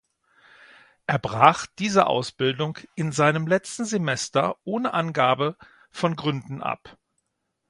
Er brach diese Ausbildung in seinem letzten Semester ohne Angabe von Gründen ab.